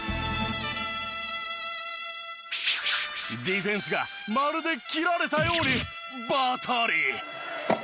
ディフェンスがまるで斬られたようにバタリ。